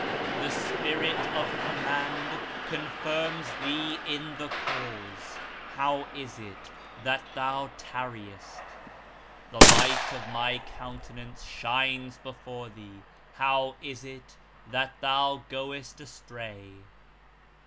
The Spirit of Command confirms thee in the Cause. How is it that thou tarriest ? The light of My countenance shines before thee. How is it that thou goest astray?